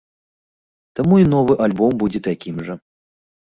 Таму і новы альбом будзе такім жа.